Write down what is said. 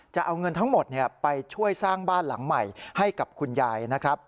จะเอาเงินทั้งหมดไปช่วยสร้างบ้านหลังใหม่ให้กับคุณยายนะครับ